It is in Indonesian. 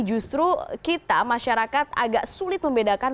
justru kita masyarakat agak sulit membedakan